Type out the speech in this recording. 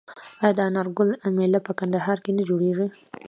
آیا د انار ګل میله په کندهار کې نه جوړیږي؟